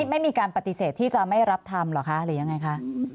ไม่มีการปฏิเสธที่จะไม่รับทำหรอกคะ